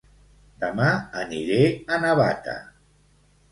Dema aniré a Navata